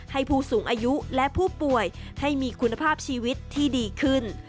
ผู้สูงอายุและผู้ป่วยให้มีคุณภาพชีวิตที่ดีขึ้น